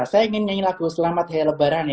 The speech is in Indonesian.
saya ingin nyanyi lagu selamat hari lebaran ya